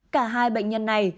cả hai bệnh nhân này